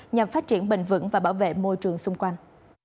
nhằm phát triển bền vững và bảo vệ môi trường xung quanh